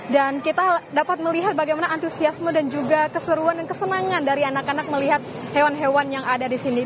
dan kita dapat melihat bagaimana antusiasme dan juga keseruan dan kesenangan dari anak anak melihat hewan hewan yang ada di sini